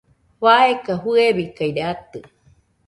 faeka fɨebikaide atɨ